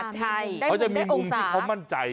เขาจะมีมุมที่เขามั่นใจ